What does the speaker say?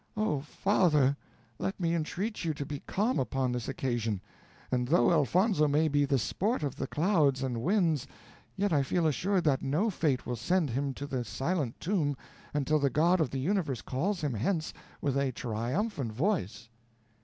"Oh, father! let me entreat you to be calm upon this occasion, and though Elfonzo may be the sport of the clouds and winds, yet I feel assured that no fate will send him to the silent tomb until the God of the Universe calls him hence with a triumphant voice."